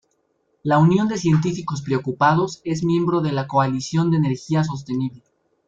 La Unión de Científicos Preocupados es miembro de la Coalición de Energía Sostenible.